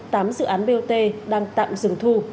tám dự án bot đang tạm dừng thu